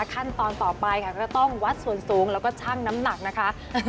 ขั้นตอนต่อไปค่ะก็ต้องวัดส่วนสูงแล้วก็ชั่งน้ำหนักนะคะ